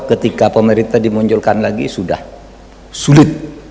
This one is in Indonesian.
ketika pemerintah dimunculkan lagi sudah sulit